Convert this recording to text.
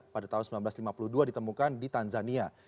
pada tahun seribu sembilan ratus lima puluh dua ditemukan di tanzania